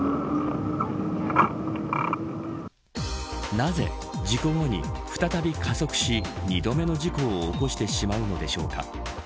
なぜ事故後に再び加速し２度目の事故を起こしてしまうのでしょうか。